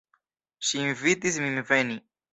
Ŝi invitis min veni.